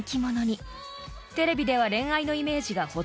［テレビでは恋愛のイメージがほとんどないこの２人］